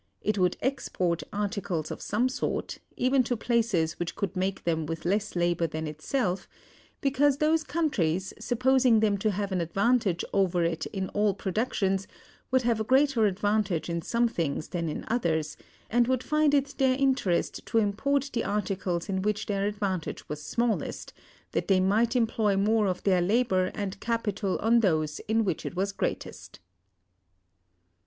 It would export articles of some sort, even to places which could make them with less labor than itself; because those countries, supposing them to have an advantage over it in all productions, would have a greater advantage in some things than in others, and would find it their interest to import the articles in which their advantage was smallest, that they might employ more of their labor and capital on those in which it was greatest.